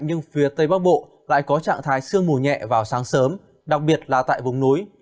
nhưng phía tây bắc bộ lại có trạng thái sương mù nhẹ vào sáng sớm đặc biệt là tại vùng núi